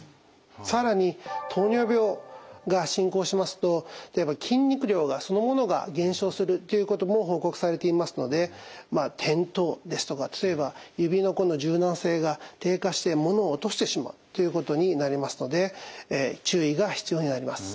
さらに糖尿病が進行しますと例えば筋肉量がそのものが減少するということも報告されていますので転倒ですとか例えば指の柔軟性が低下してものを落としてしまうということになりますので注意が必要になります。